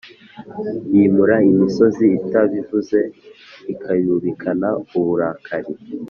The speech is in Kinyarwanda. Yimura imisozi itabivuze Ikayubikana uburakari